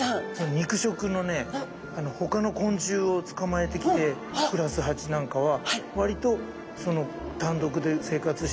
肉食のねほかの昆虫を捕まえてきて暮らすハチなんかは割と単独で生活してます。